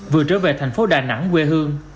vừa trở về thành phố đà nẵng quê hương